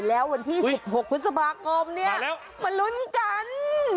แล้ววันที่สิบหกพฤศบากรหมันลุ้นกัน